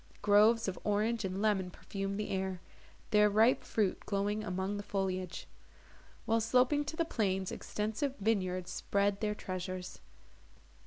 Groves of orange and lemon perfumed the air, their ripe fruit glowing among the foliage; while, sloping to the plains, extensive vineyards spread their treasures.